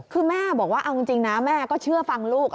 คือแม่บอกว่าเอาจริงนะแม่ก็เชื่อฟังลูก